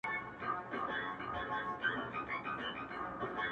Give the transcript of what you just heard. زه چي الله څخه ښكلا په سجده كي غواړم.